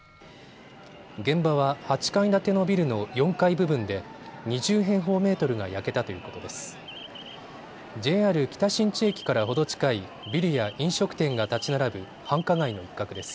現場は８階建てのビルの４階部分で２０平方メートルが焼けたということです。